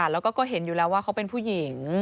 แล้วก็เห็นอยู่แล้วว่าเขาเป็นผู้หญิง